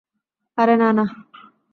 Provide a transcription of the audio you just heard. আরে না না।